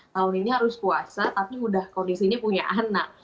tahun ini harus puasa tapi udah kondisinya punya anak